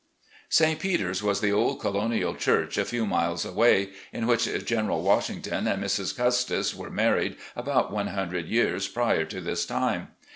St. Peter's was the old Colonial chmch a few miles away, in which General Washington and Mrs. Custis were mar ried about one hundred years prior to this time.